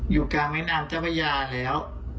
อยู่กลางแม่น้ำเจ้าพระยาแล้ว